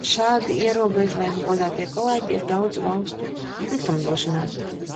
Šādi ierobežojumi, godātie kolēģi, ir daudzu valstu likumdošanā.